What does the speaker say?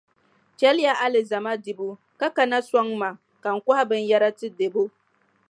Chɛliya alizama dibu ka kana sɔŋ ma ka n kɔhi binyɛra n-ti Debo.